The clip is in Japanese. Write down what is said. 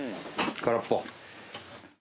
空っぽ。